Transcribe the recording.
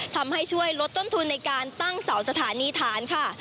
ทำให้ช่วยลดต้นทุนในการตั้งเสาสถานีฐานค่ะ